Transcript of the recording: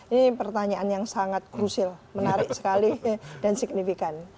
ini pertanyaan yang sangat krusial menarik sekali dan signifikan